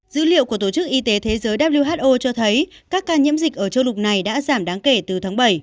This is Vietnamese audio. dữ liệu của tổ chức y tế thế giới who cho thấy các ca nhiễm dịch ở châu lục này đã giảm đáng kể từ tháng bảy